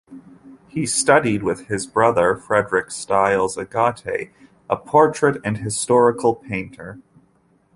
He studied with his brother, Frederick Styles Agate, a portrait and historical painter.